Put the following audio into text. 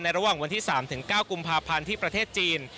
ระหว่างวันที่๓๙กุมภาพันธ์ที่ประเทศจีน